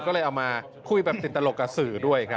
ก็เลยเอามาคุยแบบติดตลกกับสื่อด้วยครับ